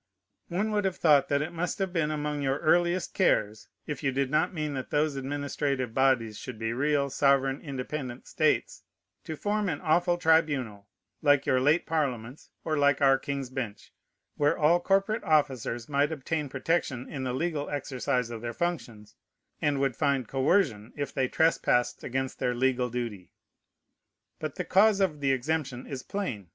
One would have thought that it must have been among your earliest cares, if you did not mean that those administrative bodies should be real, sovereign, independent states, to form an awful tribunal, like your late parliaments, or like our King's Bench, where all corporate officers might obtain protection in the legal exercise of their functions, and would find coercion, if they trespassed against their legal duty. But the cause of the exemption is plain.